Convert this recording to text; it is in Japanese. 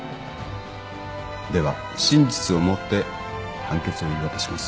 では真実を持って判決を言い渡します。